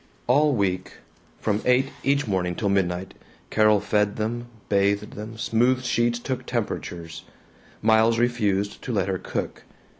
All week, from eight each morning till midnight, Carol fed them, bathed them, smoothed sheets, took temperatures. Miles refused to let her cook.